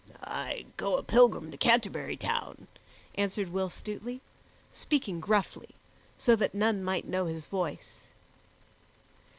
"I go a pilgrim to Canterbury Town," answered Will Stutely, speaking gruffly, so that none might know his voice.